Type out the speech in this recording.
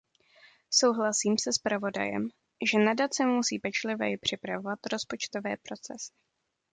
Souhlasím se zpravodajem, že nadace musí pečlivěji připravovat rozpočtové procesy.